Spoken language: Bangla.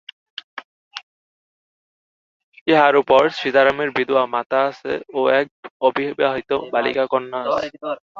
ইহার উপর সীতারামের বিধবা মাতা আছে ও এক অবিবাহিতা বালিকা কন্যা আছে।